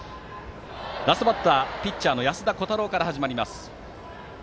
ラストバッター、ピッチャーの安田虎汰郎から。